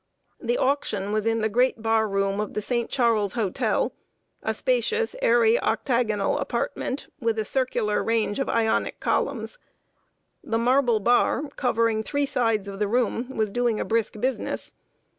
The auction was in the great bar room of the St. Charles Hotel, a spacious, airy octagonal apartment, with a circular range of Ionic columns. The marble bar, covering three sides of the room, was doing a brisk business.